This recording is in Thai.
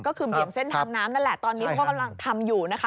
ก็คือเบี่ยงเส้นทางน้ำนั่นแหละตอนนี้เขาก็กำลังทำอยู่นะคะ